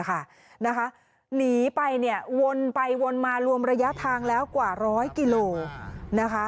หนีไปวนไปวนมารวมระยะทางแล้วกว่าร้อยกิโลกรัม